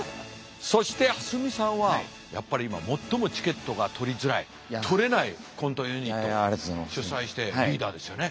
そして蓮見さんはやっぱり今最もチケットが取りづらい取れないコントユニットを主宰してリーダーですよね。